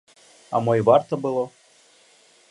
А мо і варта было?